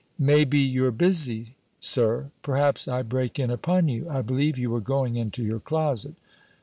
"May be you're busy. Sir. Perhaps I break in upon you. I believe you were going into your closet."